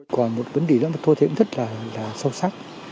còn một vấn đề đó tôi thấy rất là sâu sắc